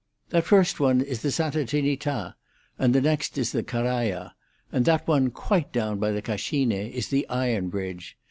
"That first one is the Santa Trinità, and the next is the Carraja, and that one quite down by the Cascine is the iron bridge.